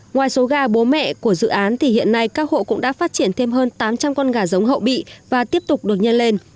ngoài số gà bố mẹ của dự án thì hiện nay các hộ cũng đã phát triển thêm hơn tám trăm linh con gà giống hậu bị và tiếp tục được nhân lên